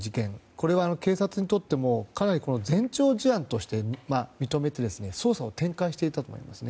これは警察にとっても前兆事案として認めて捜査を展開していたと思います。